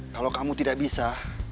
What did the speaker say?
kalau kamu tidak bisa